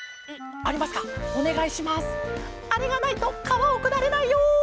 「あれがないとかわをくだれないよ」。